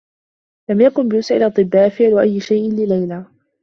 لم يكن بوسع الأطبّاء فعل أيّ شيء لليلى.